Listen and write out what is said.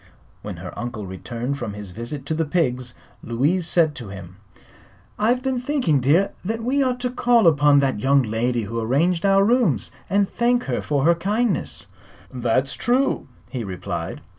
When her uncle returned from his visit to the pigs Louise said to him: "I've been thinking, dear, that we ought to call upon that young lady who arranged our rooms, and thank her for her kindness." "That's true," he replied.